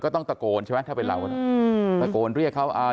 ก็ต้องตะโกนใช่ไหมถ้าเป็นเราตะโกนเรียกเขา